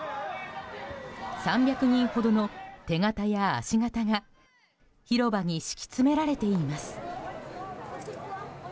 ３００人ほどの手形や足形が広場に敷き詰められています。